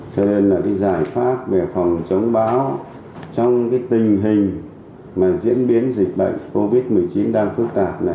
cho nên là cái giải pháp về phòng chống bão trong cái tình hình mà diễn biến dịch bệnh covid một mươi chín đang phức tạp